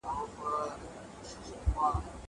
زه اوږده وخت ليکنه کوم.